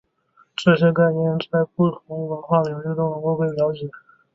这些概念在不同的文化领域都能够被了解。